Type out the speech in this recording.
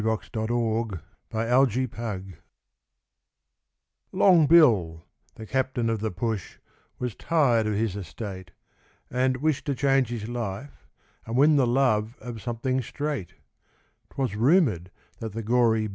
BILLY'S 'SQUARE AFFAIR' Long Bill, the captain of the push, was tired of his estate, And wished to change his life and win the love of something 'straight'; 'Twas rumour'd that the Gory B.